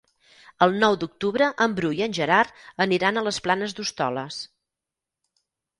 El nou d'octubre en Bru i en Gerard aniran a les Planes d'Hostoles.